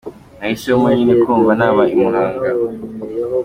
Nahisemo nyine kumva naba i Muhanga.